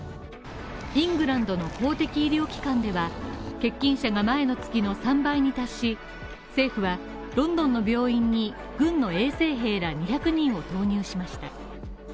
イングランドの公的医療機関では、欠勤者が前の月の３倍に達し政府は、ロンドンの病院に軍の衛生兵ら２００人を投入しました。